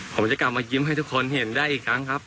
ผมจะกลับมายิ้มให้ทุกคนเห็นได้อีกครั้งครับ